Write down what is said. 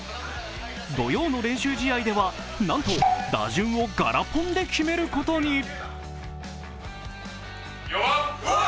土曜の練習試合では、なんと打順をガラポンで決めることに。